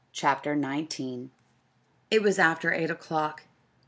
CHAPTER XIX It was after eight o'clock.